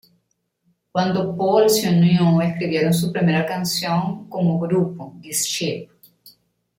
Cuando Paul se unió escribieron su primera canción como grupo "This Ship".